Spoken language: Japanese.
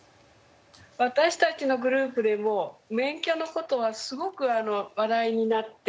私たちのグループでも免許のことはすごく話題になって。